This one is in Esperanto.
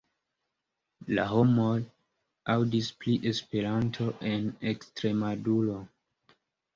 La homoj aŭdis pri Esperanto en Ekstremaduro.